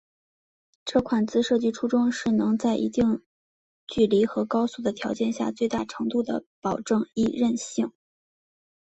这款字设计初衷是能在一定距离和高速的条件下最大限度地保证易认性。